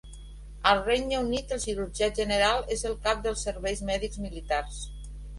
Al Regne Unit, el cirurgià general és el cap dels serveis mèdics militars.